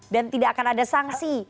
dan tidak akan ada sanksi